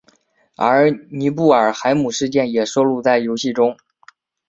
而尼布尔海姆事件也收录在游戏中。